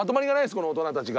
この大人たちが。